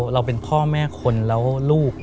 เราเป็นพ่อแม่คนแล้วลูก